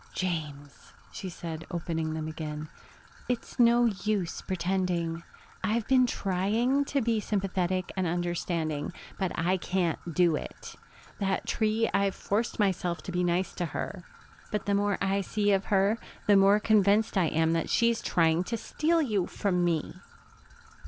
"James," she said, opening them again, "it's no use pretending. I've been trying to be sympathetic and understanding, but I can't do it. That tree I've forced myself to be nice to her, but the more I see of her, the more convinced I am that she's trying to steal you from me."